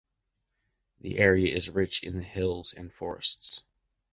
The area is rich in hills and forests.